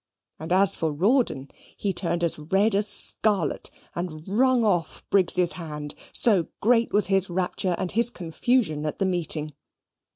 And as for Rawdon, he turned as red as scarlet, and wrung off Briggs's hand, so great was his rapture and his confusion at the meeting.